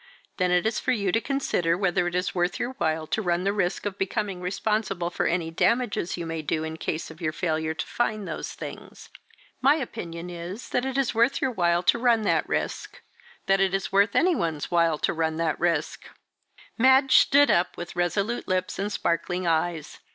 Then it is for you to consider whether it is worth your while to run the risk of becoming responsible for any damage you may do in case of your failure to find those things. My opinion is, that it is worth your while to run that risk that it is worth any one's while to run that risk." Madge stood up, with resolute lips, and sparkling eyes.